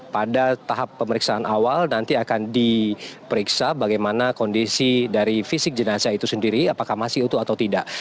pada tahap pemeriksaan awal nanti akan diperiksa bagaimana kondisi dari fisik jenazah itu sendiri apakah masih utuh atau tidak